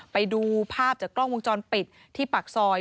ไปดูภาพจากกล้องวงจรปิดที่ปากซอย